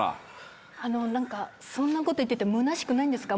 あのなんかそんなこと言っててむなしくないんですか？